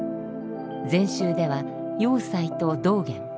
禅宗では栄西と道元。